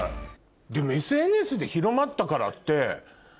でもＳＮＳで広まったからって。